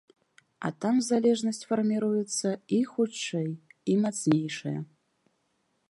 А там залежнасць фарміруецца і хутчэй, і мацнейшая.